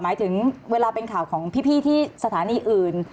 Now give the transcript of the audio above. หมายถึงเวลาเป็นข่าวของพี่ที่สถานีอื่น